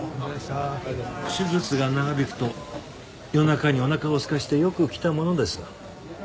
手術が長引くと夜中におなかをすかせてよく来たものです。